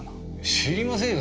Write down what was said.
知りませんよ